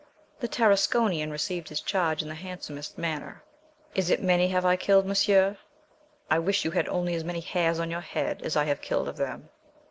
The Tarasconian received his charge in the handsomest manner. "Is it many have I killed, Monsieur? I wish you had only as many hairs on your head as I have killed of them."